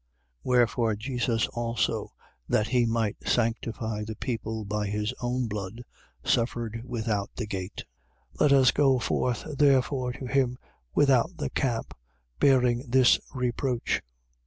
13:12. Wherefore Jesus also, that he might sanctify the people by his own blood, suffered without the gate. 13:13. Let us go forth therefore to him without the camp, bearing his reproach.